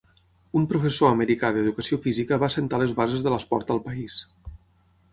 Un professor americà d'educació física va assentar les bases de l'esport al país.